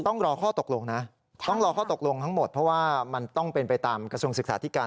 ต้องรอข้อตกลงนะต้องรอข้อตกลงทั้งหมดเพราะว่ามันต้องเป็นไปตามกระทรวงศึกษาธิการ